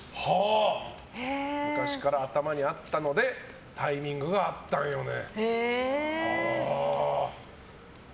昔から頭にあったのでタイミングがあったんよね。